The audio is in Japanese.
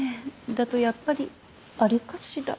だとやっぱりあれかしら。